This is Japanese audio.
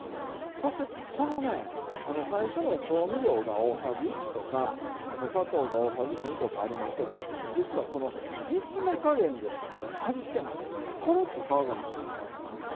そしてこのね最初の調味料が大さじ１とか砂糖が大さじ２とかありますけど実はこの煮詰め加減で味付けなんてころっと変わるわけですよ。